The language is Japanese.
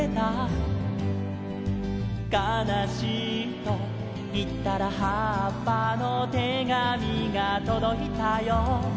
「かなしいといったらはっぱの手紙がとどいたよ」